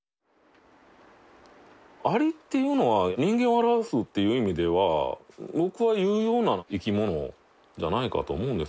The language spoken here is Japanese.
蟻っていうのは人間を表すっていう意味ではぼくは有用な生き物じゃないかと思うんですけどね。